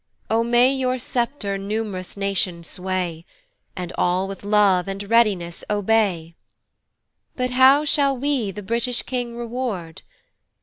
O may your sceptre num'rous nations sway, And all with love and readiness obey! But how shall we the British king reward!